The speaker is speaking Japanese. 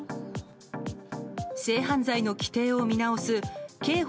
性犯罪の規定を見直す刑法